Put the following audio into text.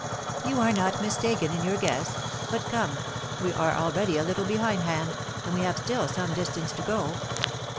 "You are not mistaken in your guess. But, come, we are already a little behindhand, and we have still some distance to go."